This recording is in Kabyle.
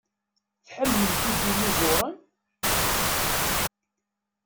Tḥemmlemt idinuẓuren?